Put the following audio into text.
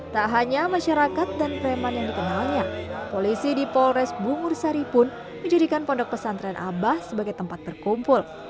tak hanya masyarakat dan preman yang dikenalnya polisi di polres bungur sari pun menjadikan pondok pesantren abah sebagai tempat berkumpul